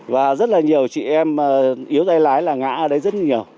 và rất là nhiều chị em yếu tay lái là ngã